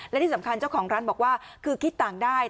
และที่สำคัญเจ้าของร้านบอกว่าคือคิดต่างได้